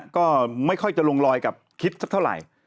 ก็ไม่ค่อยจะลงลอยกับคิดสักเท่าไหร่